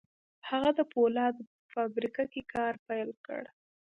هغه د پولادو په فابريکه کې کار پيل کړ.